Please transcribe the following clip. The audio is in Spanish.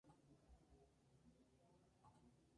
La memoria de Isis sobrevivió a la desaparición de su culto.